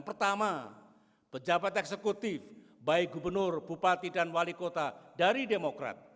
pertama pejabat eksekutif baik gubernur bupati dan wali kota dari demokrat